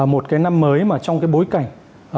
một cái năm mới mà trong cái bối cảnh